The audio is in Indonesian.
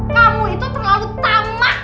kamu itu terlalu tamat